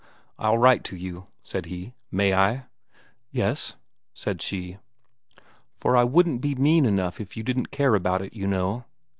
"I'll write to you," said he. "May I?" "Yes," said she. "For I wouldn't be mean enough if you didn't care about it, you know."